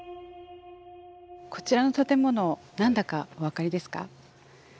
こちらの建物何だかお分かりですか？